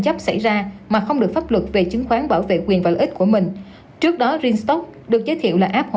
tiếp theo sẽ là những tin tức kinh tế đáng chú ý